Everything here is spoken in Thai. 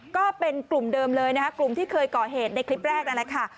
ก็เป็นกลุ่มเดิมเลยนะคะกลุ่มที่เคยก่อเหตุในคลิปแรกนั่นแหละค่ะ